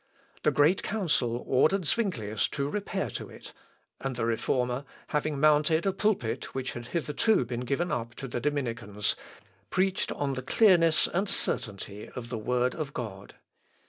The Great Council ordered Zuinglius to repair to it, and the Reformer having mounted a pulpit which had hitherto been given up to the Dominicans, preached "on the clearness and certainty of the Word of God."